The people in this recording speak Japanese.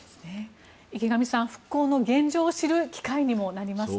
池上さん復興の現状を知る機会にもなりますね。